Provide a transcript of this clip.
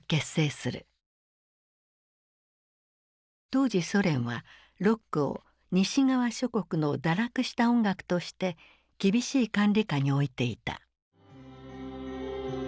当時ソ連はロックを西側諸国の堕落した音楽として厳しい管理下に置いていた。